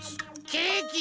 ケーキ。